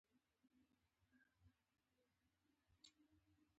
آیا د پښتنو په کلتور کې د بد عمل بدله دوزخ نه دی؟